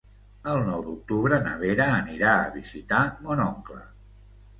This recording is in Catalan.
El nou d'octubre na Vera anirà a visitar mon oncle.